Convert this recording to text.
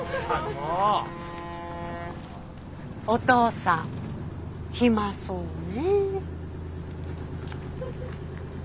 おとうさん暇そうね。